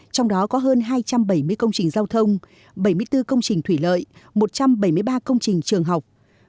trong đó có hơn hai trăm bảy mươi công trình giao thông bảy mươi bốn công trình thủy lợi một trăm bảy mươi ba công trình trường học